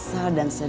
sebelum thats ya